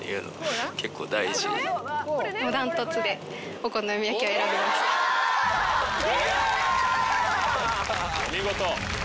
お見事。